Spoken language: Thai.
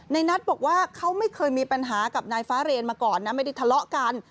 นัทบอกว่าเขาไม่เคยมีปัญหากับนายฟ้าเรนมาก่อนนะไม่ได้ทะเลาะกัน